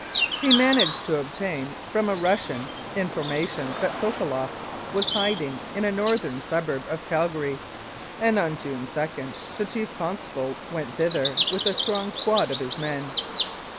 He managed to obtain, from a Russian, information that Sokoloff was hiding in a northern suburb of Calgary, and on June 2 the Chief Constable went thither with a strong squad of his men.